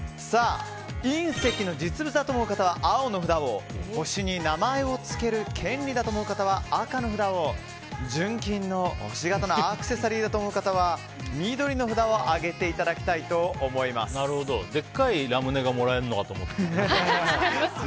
隕石の実物だと思う方は青の札を星に名前を付けられる権利だと思う方は赤の札を純金の星形アクセサリーだと思う方は緑の札をなるほど、でっかいラムネがもらえるのかと思った。